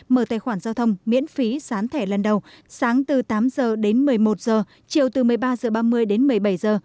mở tài khoản giao thông miễn phí sán thẻ lần đầu sáng từ tám giờ đến một mươi một giờ chiều từ một mươi ba giờ ba mươi đến một mươi bảy giờ